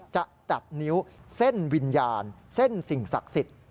จะตัดนิ้วเส้นวิญญาณเส้นสิ่งศักดิ์สิทธิ์